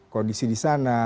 kondisi di sana